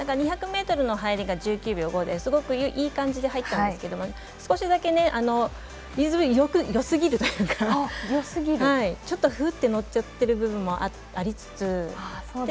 ２００ｍの入りが１９秒５で、すごくいい感じで入ったんですけど少しだけリズムよすぎるというかちょっとふっと乗っちゃってる部分もありつつ。